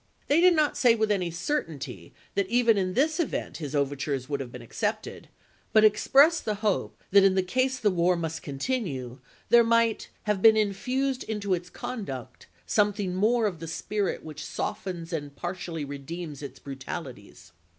They did not say with any certainty that even in that event his overtures would have been accepted, but expressed the hope that in case the war must continue there might " have been infused into its conduct something more of the spirit which softens and partially redeems its brutalities."